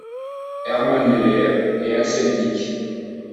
Hermann Leber et Axel Dick.